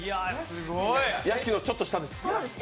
屋敷のちょっと下です。